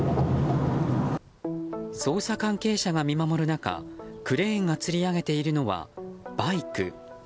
捜査関係者が見守る中クレーンがつり上げているのはバイク。